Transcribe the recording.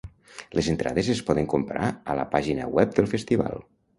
Les entrades es poden comprar a la pàgina web del festival.